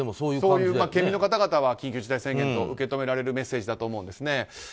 県民の方々には緊急事態宣言と受け止められるメッセージだと思うんですね。